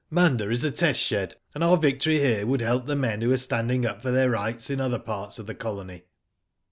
Munda is a test shed, and our victory here would help the men who are standing up for their rights in other parts of the colony.